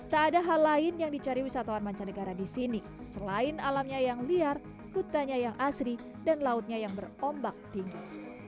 tak ada hal lain yang dicari wisatawan mancanegara di sini selain alamnya yang liar hutannya yang asri dan lautnya yang berombak tinggi